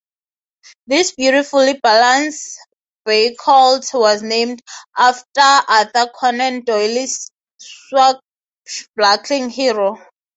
This beautifully balanced bay colt was named after Arthur Conan Doyle's swashbuckling hero.